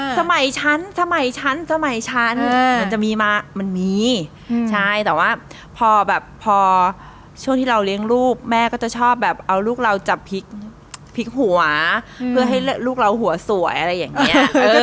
สมัยฉันสมัยฉันสมัยฉันมันจะมีมามันมีใช่แต่ว่าพอแบบพอช่วงที่เราเลี้ยงลูกแม่ก็จะชอบแบบเอาลูกเราจับพลิกหัวเพื่อให้ลูกเราหัวสวยอะไรอย่างนี้